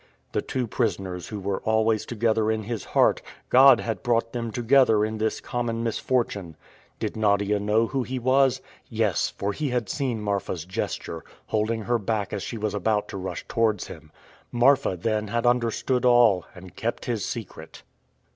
The two prisoners who were always together in his heart, God had brought them together in this common misfortune. Did Nadia know who he was? Yes, for he had seen Marfa's gesture, holding her back as she was about to rush towards him. Marfa, then, had understood all, and kept his secret.